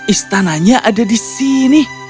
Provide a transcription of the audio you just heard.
istananya ada di sini